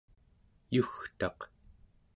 yugtaq